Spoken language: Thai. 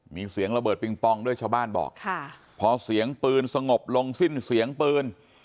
มีเสียงระเบิดปิงปองด้วยชาวบ้านบอกพอเสียงปืนสงบลงสิ้นเสียงปืน